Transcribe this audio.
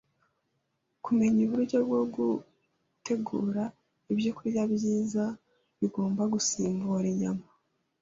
kumenya uburyo bwo gutegura ibyokurya byiza bigomba gusimbura inyama.